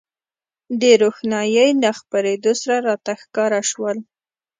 د روښنایۍ له خپرېدو سره راته ښکاره شول.